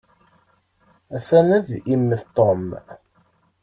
Ha-t-an ad immet Tom.